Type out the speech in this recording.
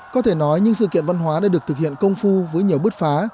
có thể nói những sự kiện văn hóa đã được thực hiện công phu với nhiều bứt phá